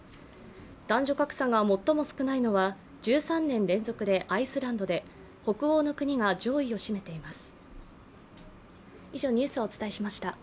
男女格差が最も少ないのは１３年連続でアイスランドで北欧の国が上位を占めています。